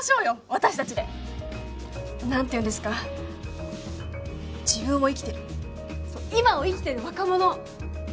私達で何ていうんですか自分を生きてるそう今を生きてる若者！